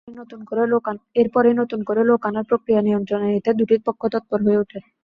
এরপরই নতুন করে লোক আনার প্রক্রিয়া নিয়ন্ত্রণে নিতে দুটি পক্ষ তৎপর হয়ে ওঠে।